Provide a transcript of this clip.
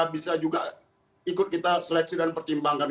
bisa juga ikut kita seleksi dan pertimbangkan